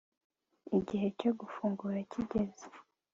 igihe cyo gufungura kigeze